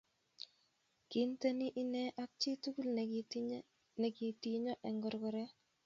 kinteni enee ak chi tukul ne kitinyo eng korkoret